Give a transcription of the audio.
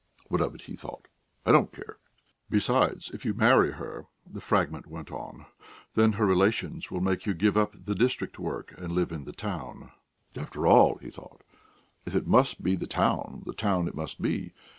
"What of it?" he thought. "I don't care." "Besides, if you marry her," the fragment went on, "then her relations will make you give up the district work and live in the town." "After all," he thought, "if it must be the town, the town it must be.